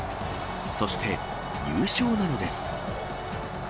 そして優勝なのです。